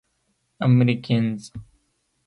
امريکنز.